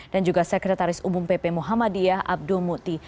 dan juga sekretaris umum pp muhammadiyah abdul muti